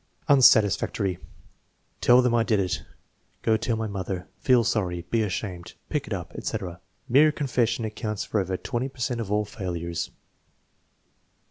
Unsatisfactory. "Tell them I did it." "Go tell my mother." "Peel sorry." "Be ashamed." "Pick it up," etc. Mere confession accounts for over 20 per cent of all failures.